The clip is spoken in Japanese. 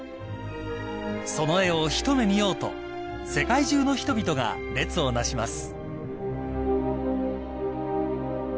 ［その絵を一目見ようと世界中の人々が列をなします］